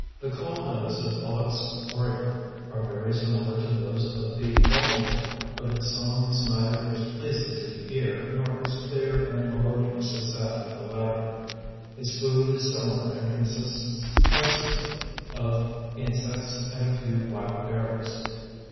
The call notes of Bullock's Oriole are very similar to those of the Baltimore, but its song is neither as pleasing to the ear nor as clear and melodious as that of the latter. Its food is similar and consists principally of insects and a few wild berries.